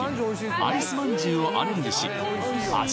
あいすまんじゅうをアレンジし味